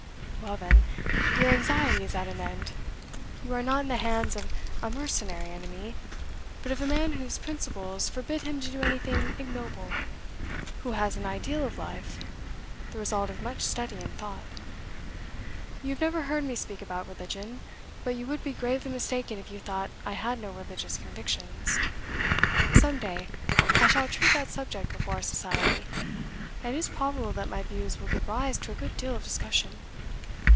Well, then, your anxiety is at an end. You are not in the hands of a mercenary enemy, but of a man whose principles forbid him to do anything ignoble, who has an ideal of life, the result of much study and thought. You have never heard me speak about religion, but you would be gravely mistaken if you thought I had no religious convictions. Some day I shall treat that subject before our Society, and it is probable that my views will give rise to a good deal of discussion.